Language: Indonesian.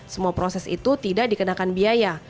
semua proses itu tidak dikenakan biaya